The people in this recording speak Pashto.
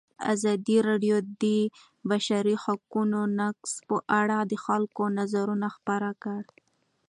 ازادي راډیو د د بشري حقونو نقض په اړه د خلکو نظرونه خپاره کړي.